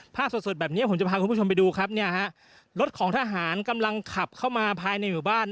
สดแบบนี้ผมจะพาคุณผู้ชมไปดูครับเนี่ยฮะรถของทหารกำลังขับเข้ามาภายในหมู่บ้าน